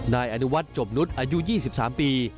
นายอนุวัฒน์จบนุษย์อายุ๒๓ปี